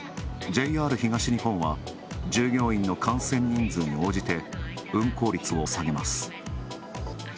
ＪＲ東日本は、従業員の感染人数に応じて、運行率を下げます。